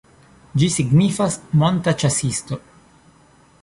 Ĝi signifas "monta ĉasisto".